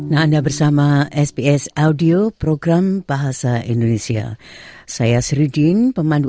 anda bersama sbs bahasa indonesia